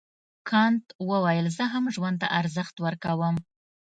کانت وویل زه هم ژوند ته ارزښت ورکوم.